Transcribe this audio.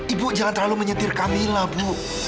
ibu jangan terlalu menyetir kamila bu